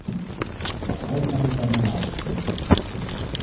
Dat brengt mij bij mijn laatste punt.